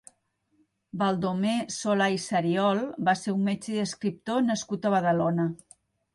Baldomer Solà i Seriol va ser un metge i escriptor nascut a Badalona.